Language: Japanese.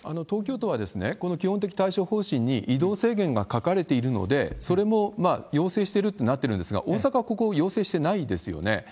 東京都はこの基本的対処方針に移動制限が書かれているので、それも要請してるとなってるんですが、大阪はここ、要請してないですよね。